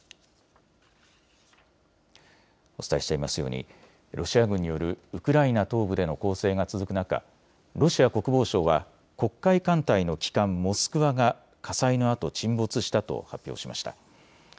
お伝えしていますようにロシア軍によるウクライナ東部での攻勢が続く中、ロシア国防省は黒海艦隊の旗艦、モスクワが火災のあと沈没したと発表しました。